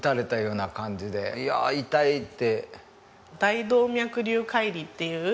いや痛いって。